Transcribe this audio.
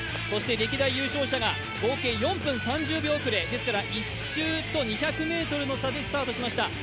そして歴代優勝者が合計４分３０秒遅れ、ですから１周と２００ｍの差でスタートしました。